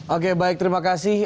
oke baik terima kasih